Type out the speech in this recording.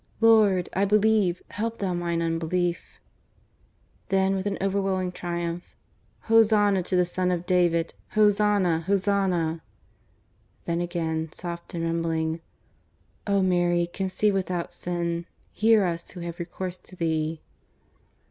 ... Lord! I believe; help Thou mine unbelief_." Then with an overwhelming triumph: "Hosanna to the Son of David! Hosanna, Hosanna!" Then again, soft and rumbling: "_O Mary, conceived without sin, hear us who have recourse to thee.